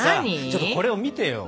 ちょっとこれを見てよ。